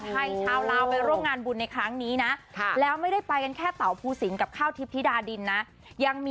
ไปกันที่พระธาตุพนม